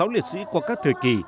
sáu liệt sĩ qua các thời kỳ